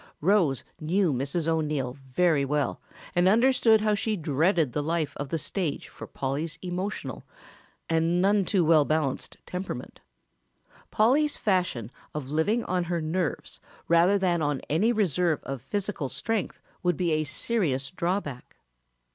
Rose knew Mrs. O'Neill very well and understood how she dreaded the life of the stage for Polly's emotional and none too well balanced temperament. Polly's fashion of living on her nerves rather than on any reserve of physical strength would be a serious drawback.